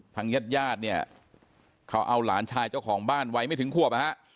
ญาติญาติเนี่ยเขาเอาหลานชายเจ้าของบ้านวัยไม่ถึงขวบนะฮะ